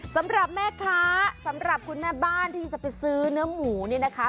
สำหรับแม่ค้าสำหรับคุณแม่บ้านที่จะไปซื้อเนื้อหมูนี่นะคะ